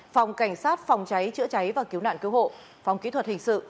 phòng cảnh sát phòng cháy chữa cháy và cứu nạn cứu hộ phòng kỹ thuật hình sự